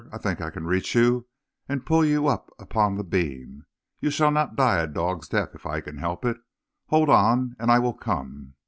I think I can reach you and pull you up upon the beam. You shall not die a dog's death if I can help it. Hold on and I will come.'